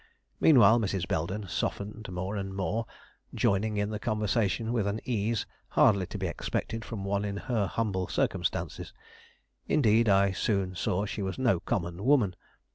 Meanwhile, Mrs. Belden softened more and more, joining in the conversation with an ease hardly to be expected from one in her humble circumstances. Indeed, I soon saw she was no common woman.